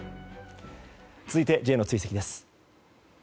続いてＪの追跡です。